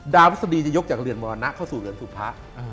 ดาวพฤษฎีจะยกจากเหลือนบรรณะเข้าสู่เหลือนสุภะ